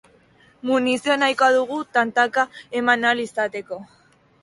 Munizio nahikoa dugu, tantaka eman ahal izateko.